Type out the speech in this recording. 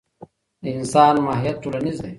د انسان ماهیت ټولنیز دی.